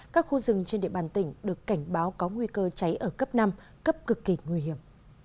các khu rừng trên địa bàn tỉnh được cảnh báo có nguy cơ cháy ở cấp năm cấp cực kỳ nguy hiểm